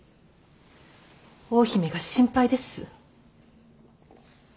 大姫が心配です。